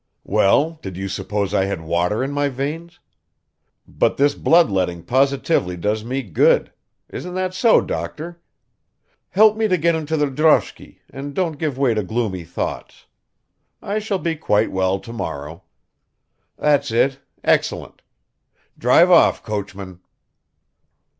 "Well, did you suppose I had water in my veins? But this bloodletting positively does me good. Isn't that so, doctor? Help me to get into the droshky and don't give way to gloomy thoughts. I shall be quite well tomorrow. That's it; excellent. Drive off, coachman."